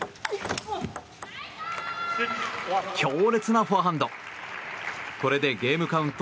強烈なフォアハンド。